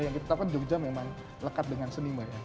yang kita tahu kan jogja memang lekat dengan seni mbak ya